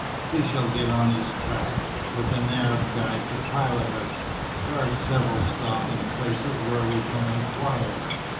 We shall get on his track, with an Arab guide to pilot us. There are several stopping places where we can inquire.